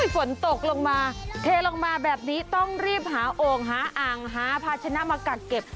ฝนตกลงมาเทลงมาแบบนี้ต้องรีบหาโอ่งหาอ่างหาภาชนะมากักเก็บ